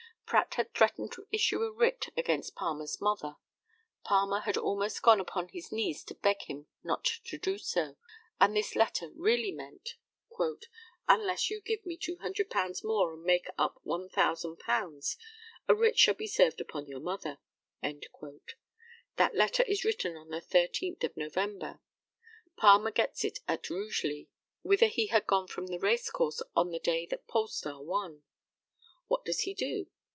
Pratt had threatened to issue a writ against Palmer's mother. Palmer had almost gone upon his knees to beg him not to do so, and this letter really meant, "Unless you give me £200 more and make up £1,000, a writ shall be served upon your mother." That letter is written on the thirteenth of November. Palmer gets it at Rugeley, whither he had gone from the racecourse on the day that Polestar won. What does he do?